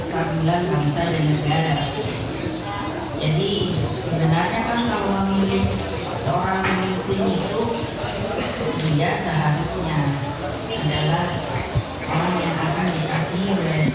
pdi perjuangan pancasila